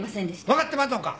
分かってまんのんか。